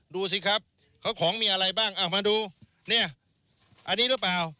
ดูสิครับเขาของมีอะไรบ้างเอามาดูเนี่ยอันนี้หรือเปล่า